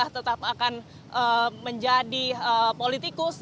tetap akan menjadi politikus